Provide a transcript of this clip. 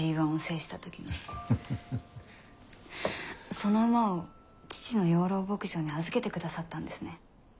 その馬を父の養老牧場に預けてくださったんですね。